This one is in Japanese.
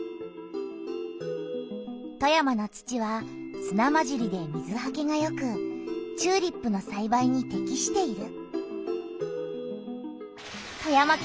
富山の土はすなまじりで水はけがよくチューリップのさいばいにてきしている。